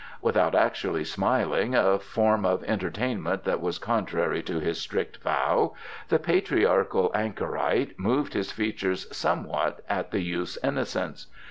Without actually smiling, a form of entertainment that was contrary to his strict vow, the patriarchal anchorite moved his features somewhat at the youth's innocence.